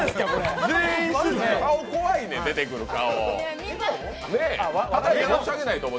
顔怖いねん、出てくる顔。